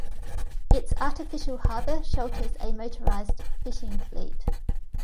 Its artificial harbour shelters a motorized fishing fleet.